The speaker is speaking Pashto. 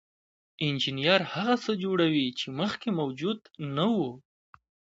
انجینر هغه څه جوړوي چې مخکې موجود نه وو.